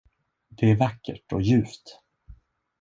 Det är vackert och ljuvt.